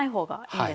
はい。